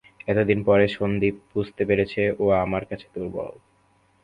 এতদিন পরে সন্দীপ বুঝতে পেরেছে, ও আমার কাছে দুর্বল।